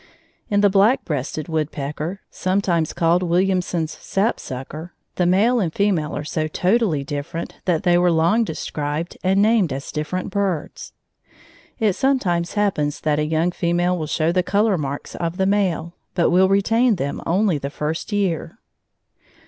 In the black breasted woodpecker, sometimes called Williamson's sapsucker, the male and female are so totally different that they were long described and named as different birds. It sometimes happens that a young female will show the color marks of the male, but will retain them only the first year.